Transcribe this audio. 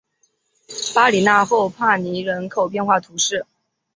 巴里讷后帕涅人口变化图示